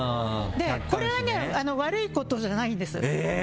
これは悪いことじゃないんです。